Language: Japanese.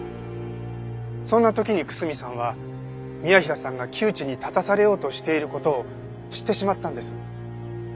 そんな時に楠見さんは宮平さんが窮地に立たされようとしている事を知ってしまったんです。